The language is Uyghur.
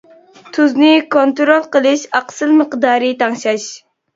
تۇزنى كونترول قىلىش، ئاقسىل مىقدارى تەڭشەش.